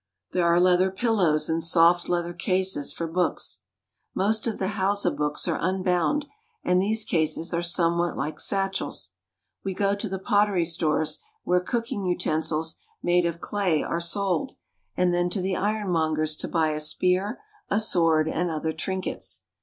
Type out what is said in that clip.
There are leather pillows and soft leather cases for books. Most of the Hausa books are unbound, and these cases are somewhat like satchels. We go to the pottery stores, where cooking utensils, made of clay, are sold; and then to the iron mongers to buy a spear, a sword, and other trinkets.